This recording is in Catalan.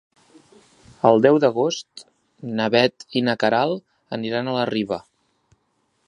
El deu d'agost na Bet i na Queralt aniran a la Riba.